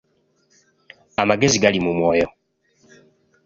Amagezi gali mu mwoyo.